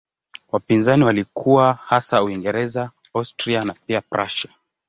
Wapinzani walikuwa hasa Uingereza, Austria na pia Prussia.